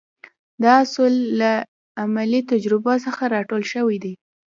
دا اصول له عملي تجربو څخه را ټول شوي دي.